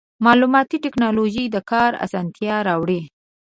مالوماتي ټکنالوژي د کار اسانتیا راوړي.